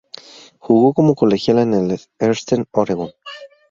Jugó como colegial en Eastern Oregon.